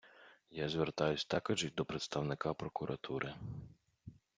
Я звертаюсь також і до представника прокуратури!